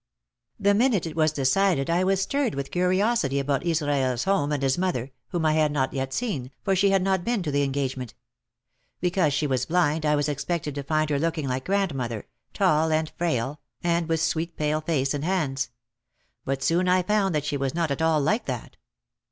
The minute it was decided I was stirred with curiosity about Israel's home and his mother, whom I had not yet seen, for she had not been to the engage ment. Because she was blind I expected to find her looking like grandmother, tall and frail, and with sweet pale face and hands. But soon I found that she was not at all like that.